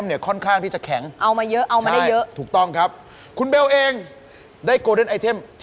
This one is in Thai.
น้องลิสต์สาวน้อยในใจของผม